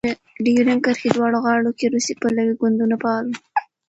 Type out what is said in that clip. د ډیورند کرښې دواړو غاړو کې روسي پلوی ګوندونه فعال وو.